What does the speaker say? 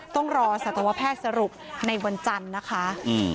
ต้องรอสัตวแพทย์สรุปในวันจันทร์นะคะ